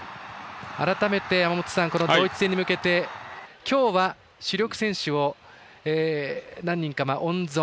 改めて山本さんドイツ戦に向けて今日は主力選手を何人か温存。